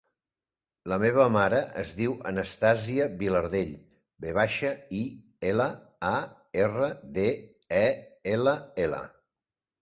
La meva mare es diu Anastàsia Vilardell: ve baixa, i, ela, a, erra, de, e, ela, ela.